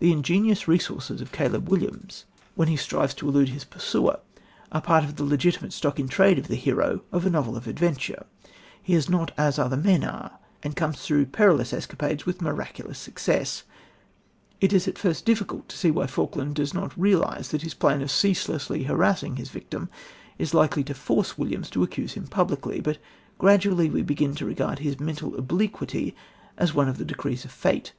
The ingenious resources of Caleb Williams when he strives to elude his pursuer are part of the legitimate stock in trade of the hero of a novel of adventure. He is not as other men are, and comes through perilous escapades with miraculous success. It is at first difficult to see why Falkland does not realise that his plan of ceaselessly harassing his victim is likely to force Williams to accuse him publicly, but gradually we begin to regard his mental obliquity as one of the decrees of fate.